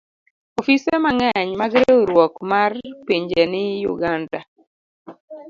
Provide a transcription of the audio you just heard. Ofise mang'eny mag Riwruok mar Pinje ni Uganda.